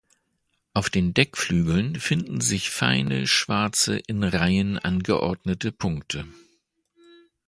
Auf den Deckflügeln finden sich feine, schwarze, in Reihen angeordnete Punkte.